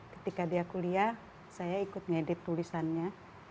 ketika dia kuliah saya ikut ngedit tulisannya